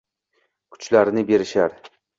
Kuchlarini berishar.